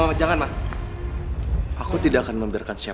aku akan berusaha untuk mengambil sifah